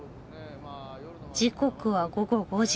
時刻は午後５時。